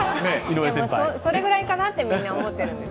それぐらいかなってみんな思ってるんです。